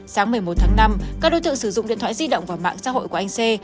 sáng một mươi một tháng năm các đối tượng sử dụng điện thoại di động và mạng xã hội của anh sê